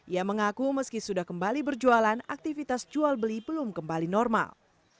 ia mengaku meski sudah kembali berjualan aktivitas jual beli belum kembali normal